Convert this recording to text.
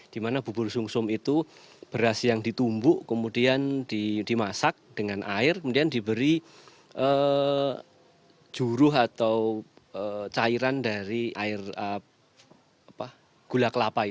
dimana bubur sum sum itu beras yang ditumbuk kemudian dimasak dengan air kemudian diberi juruh atau cairan dari air gula kelapa